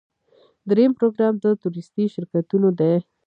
دریم پروګرام د تورېستي شرکتونو دی.